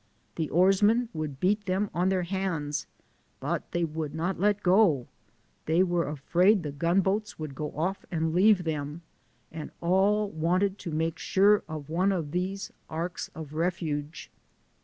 The oarsmen would beat them on their hands, but they would not let go; they were afraid the gun boats would go off and leave them, and all wanted to make sure of one of these arks of ref uge.